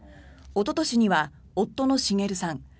おととしには夫の滋さん